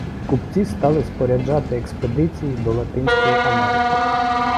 Купці стали споряджати експедиції до Латинської Америки.